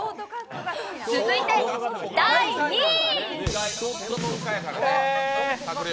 続いて第２位！